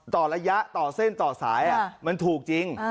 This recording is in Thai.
ต่อระยะต่อเส้นต่อสายมันถูกจริง